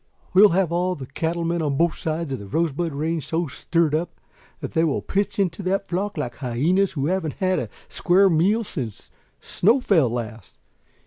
"We'll have all the cattle men on both sides of the Rosebud range so stirred up that they will pitch into that flock like hyenas who haven't had a square meal since snow fell last.